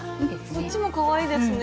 こっちもかわいいですね。